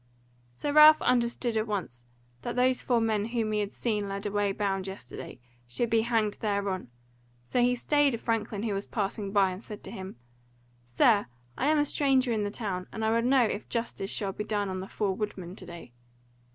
So Ralph understood at once that those four men whom he had seen led away bound yesterday should be hanged thereon; so he stayed a franklin who was passing by, and said to him, "Sir, I am a stranger in the town, and I would know if justice shall be done on the four woodmen to day."